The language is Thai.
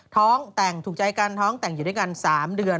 ท้องแต่งถูกใจกันท้องแต่งอยู่ด้วยกัน๓เดือน